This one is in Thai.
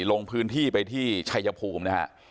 ลงพื้นที่ไปที่ชัยภูมินะฮะ